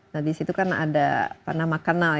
nah di situ kan ada panama canal